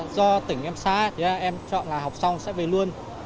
do tỉnh em xa em chọn là học xong sẽ về luôn